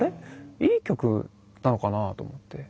いい曲なのかな？と思って。